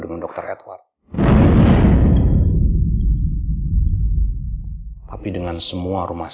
ini tuh besarampoo perspektif sas